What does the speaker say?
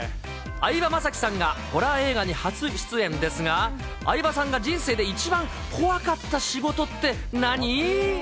相葉雅紀さんが、ホラー映画に初出演ですが、相葉さんが人生で一番怖かった仕事って何？